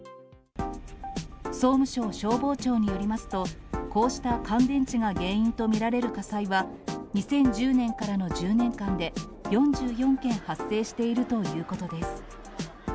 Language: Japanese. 総務省消防庁によりますと、こうした乾電池が原因と見られる火災は、２０１０年からの１０年間で４４件発生しているということです。